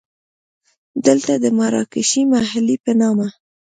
دلته د مراکشي محلې په نامه.